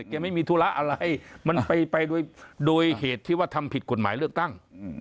ไม่มีธุระอะไรมันไปโดยเหตุที่ว่าทำผิดกฎหมายเลือกตั้ง